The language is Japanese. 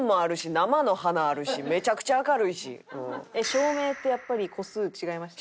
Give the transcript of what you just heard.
照明ってやっぱり個数違いました？